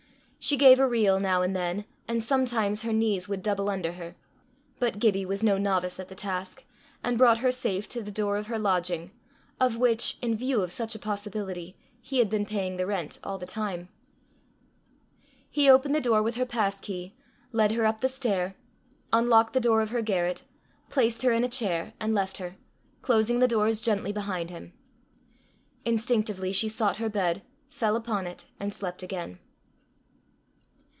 She gave a reel now and then, and sometimes her knees would double under her; but Gibbie was no novice at the task, and brought her safe to the door of her lodging of which, in view of such a possibility, he had been paying the rent all the time. He opened the door with her pass key, led her up the stair, unlocked the door of her garret, placed her in a chair, and left her, closing the doors gently behind him. Instinctively she sought her bed, fell upon it, and slept again.